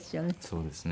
そうですね。